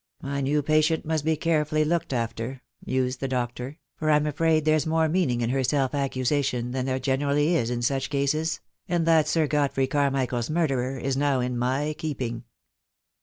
"My new patient must be carefully looked after," mused the doctor, "for I'm afraid there's more meaning in her self accusation than there generally is in such cases, and that Sir Godfrey Carmichael's murderer is now in my keeping."